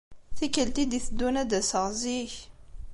Tikelt i d-iteddun ad d-aseɣ zik.